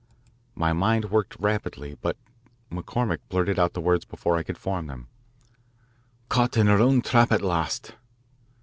My mind worked rapidly, but McCormick blurted out the words before I could form them, "Caught in her own trap at last!"